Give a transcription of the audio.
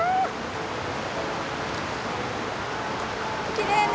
きれいね。